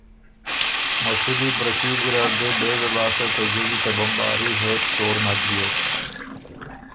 مسودی برکي ګیرډ دې بېژه لاسته ته جزی ته بمباري هېڅ تهوړ نک بیوک۔